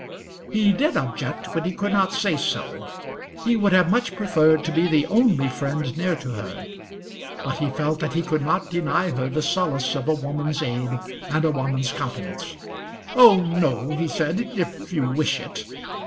He did object, but he could not say so. He would have much preferred to be the only friend near to her, but he felt that he could not deny her the solace of a woman's aid and a woman's countenance. "Oh no," he said, "if you wish it."